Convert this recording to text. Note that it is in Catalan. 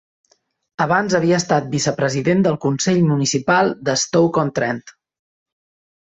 Abans havia estat vicepresident del consell municipal de Stoke-on-Trent.